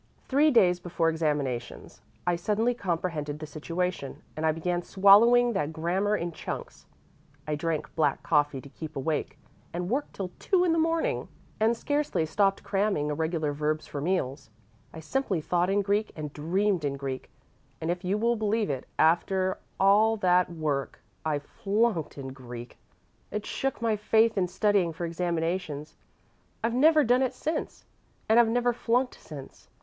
Three days before examinations I suddenly comprehended the situation, and I began swallowing that grammar in chunks. I drank black coffee to keep awake, and worked till two in the morning, and scarcely stopped cramming irregular verbs for meals. I simply thought in Greek and dreamed in Greek. And, if you will believe it, after all that work I flunked in Greek! It shook my faith in studying for examinations. I've never done it since, and I've never flunked since.